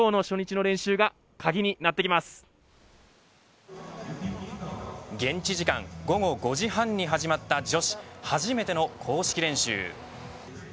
今日の初日の練習が現地時間午後５時半に始まった女子初めての公式練習。